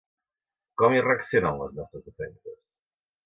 Com hi reaccionen, les nostres defenses?